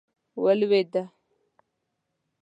ولوېده.